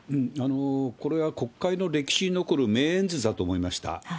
これは国会の歴史に残る名演説だと思いました。